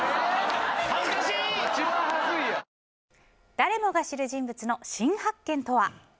誰もが知る人物の新発見とは。